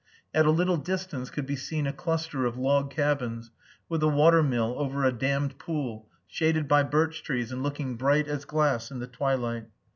At a little distance could be seen a cluster of log cabins, with a water mill over a dammed pool shaded by birch trees and looking bright as glass in the twilight.